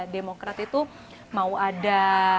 demokrat itu mau ada